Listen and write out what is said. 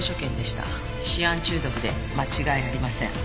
シアン中毒で間違いありません。